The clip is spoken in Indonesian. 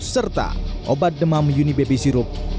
serta obat demam unibaby sirup